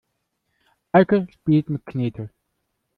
Eike spielt mit Knete.